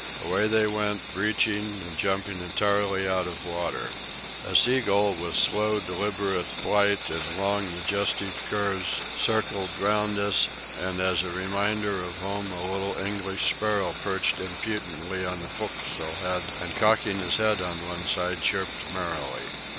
Away they went, breaching and jumping entirely out of water. A sea gull with slow, deliberate flight and long, majestic curves circled round us, and as a reminder of home a little English sparrow perched impudently on the fo'castle head, and, cocking his head on one side, chirped merrily.